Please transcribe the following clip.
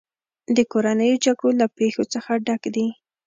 د کورنیو جګړو له پېښو څخه ډک دی.